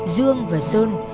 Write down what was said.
dương và sơn